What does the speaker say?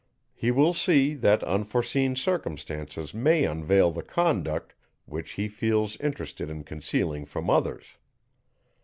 He will see, that unforeseen circumstances may unveil the conduct, which he feels interested in concealing from others.